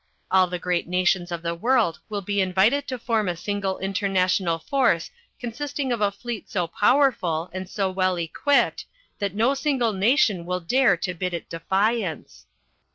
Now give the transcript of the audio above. All the great nations of the world will be invited to form a single international force consisting of a fleet so powerful and so well equipped that no single nation will dare to bid it defiance."